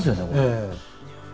ええ。